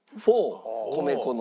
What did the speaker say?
米粉の。